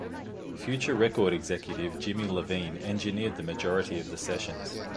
Future record executive Jimmy Iovine engineered the majority of the sessions.